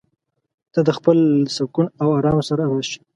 ته د خپل سکون او ارام سره راشه.